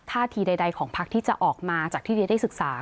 ท่าทีใดของพักที่จะออกมาจากที่เดียได้ศึกษา